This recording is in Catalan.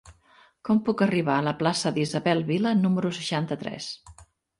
Com puc arribar a la plaça d'Isabel Vila número seixanta-tres?